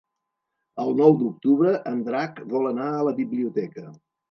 El nou d'octubre en Drac vol anar a la biblioteca.